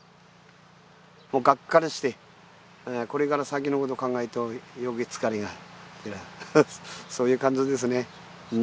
もうがっかりしてこれから先のこと考えるとよけい疲れがそういう感じですね